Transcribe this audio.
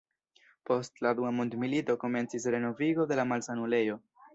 Post la dua mondmilito komencis renovigo de la malsanulejo.